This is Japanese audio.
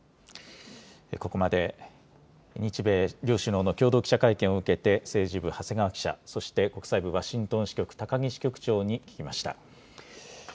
ここまで、日米両首脳の共同記者会見を受けて、政治部、長谷川記者、そして国際部ワシントン支局、高木支局長に聞きました。